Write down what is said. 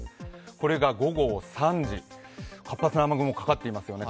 これが午後３時、活発な雨雲がかかっていますよね。